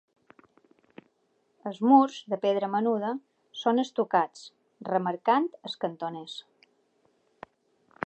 Els murs, de pedra menuda, són estucats, remarcant els cantoners.